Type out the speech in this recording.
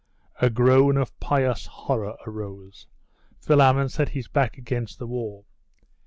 A groan of pious horror rose. Philammon set his back against the wall.